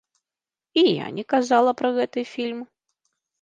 І я не казала пра гэты фільм.